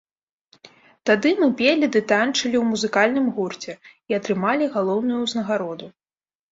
Тады мы пелі ды танчылі ў музыкальным гурце і атрымалі галоўную ўзнагароду.